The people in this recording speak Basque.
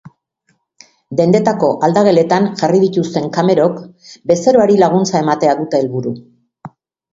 Dendetako aldageletan jarri dituzten kamerok, bezeroari laguntza ematea dute helburu.